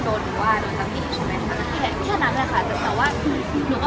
จะดูในไอจีของเขา